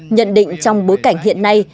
nhận định trong bối cảnh hiện nay